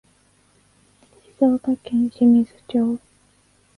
静岡県清水町